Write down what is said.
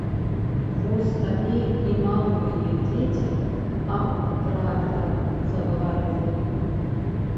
Вось табе і малыя дзеці аб трактарах загаварылі!